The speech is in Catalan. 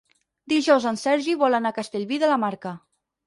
Dijous en Sergi vol anar a Castellví de la Marca.